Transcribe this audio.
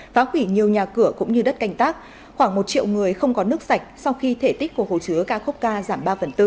phá hủy nhiều nhà cửa cũng như đất canh tác khoảng một triệu người không có nước sạch sau khi thể tích của hồ chứa kakhovka giảm ba bốn